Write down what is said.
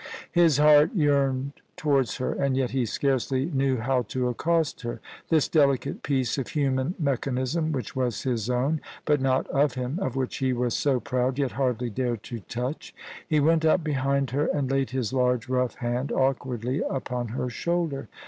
His heart yearned towards her, and yet he scarcely knew how to accost her — this delicate piece of human mechanism which was his own, but not of him, of which he was so proud, yet hardly dared to touch. He went up behind her and laid his large rough hand awkwardly upon her shoulder.